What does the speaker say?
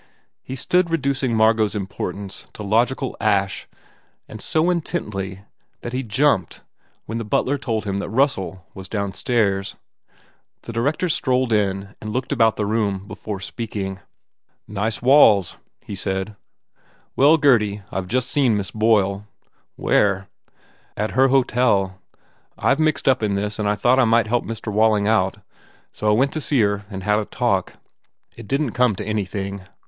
He stood reducing Margot s importance to logical ash and so intently that he jumped when the butler told him that Russell was downstairs. The director strolled in and looked about the room before speaking. "Nice walls," he said, "Well, Gurdy, I ve just seen Miss Boyle." u Where?" "At her hotel. I m mixed up in this and I thought I might help Mr. Walling out. So I went to see her and had a talk. It didn t come to anything."